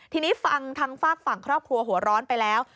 ทีนี้ฟังทางฝากฝั่งครอบครัวหัวร้อนไปแล้ว